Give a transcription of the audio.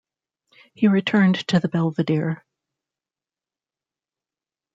He returned to the belvedere.